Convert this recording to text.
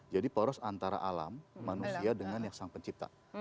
jadi poros antara alam manusia dengan sang pencipta